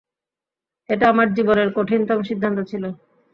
এটা আমার জীবনের কঠিনতম সিদ্ধান্ত ছিল।